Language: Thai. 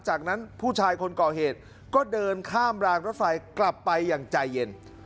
จากนั้นผู้ชายคนก่อเหตุก็เดินข้ามรางรถไฟกลับไปอย่างใจเย็น